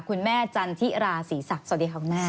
คุณแม่จันทิราศรีศักดิ์สวัสดีครับคุณแม่